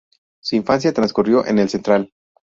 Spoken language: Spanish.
Su infancia transcurrió en El Central.